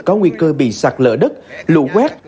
có nguy cơ bị sạc lỡ đất lũ quét